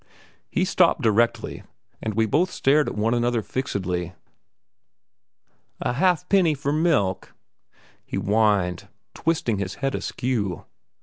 He stopped directly, and we both stared at one another fixedly. "A halfpenny for milk!" he whined, twisting his head askew.